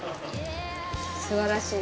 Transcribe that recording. すばらしい。